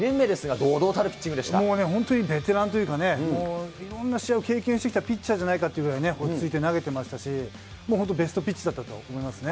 もうね、本当にベテランというかね、いろんな試合を経験してきたピッチャーじゃないかっていうぐらいね、落ち着いて投げてましたし、本当ベストピッチだったと思いますね。